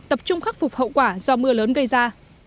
tập trung khắc phục hậu quả do mưa lớn gây ra